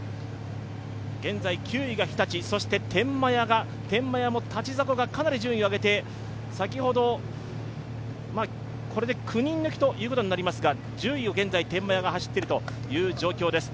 現在９位が日立、天満屋も立迫がかなり順位を上げて先ほどこれで９人抜きということになりますが、現在１０位を天満屋が走っている状況です。